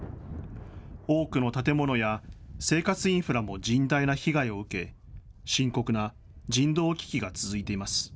多くの建物や生活インフラも甚大な被害を受け深刻な人道危機が続いています。